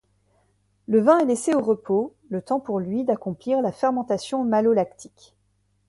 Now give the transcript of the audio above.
Le vin est laissé au repos, le temps pour lui d'accomplir la fermentation malolactique.